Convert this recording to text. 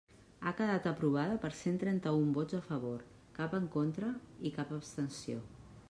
Ha quedat aprovada per cent trenta-un vots a favor, cap en contra i cap abstenció.